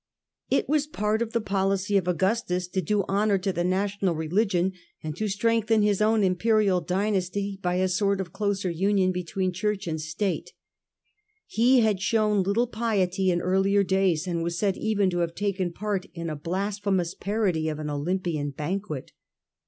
It was part of the Augustus to policy of Augustus to do honour to the national the ofd reU religion, and to strengthen his own imperial gion. dynasty by a sort of closer union between Church and State. He had shown little piety in earlier days, and was said even to have taken part in a blas phemous parody of an Olympian banquet.